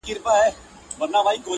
نه خيام سته د توبو د ماتولو،